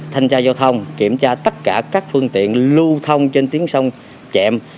thanh tra giao thông kiểm tra tất cả các phương tiện lưu thông trên tiếng sông chẹm